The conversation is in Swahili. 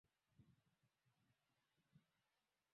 Hii ni hadithi moja wapo ya ukweli wa kabila ya Kimaasai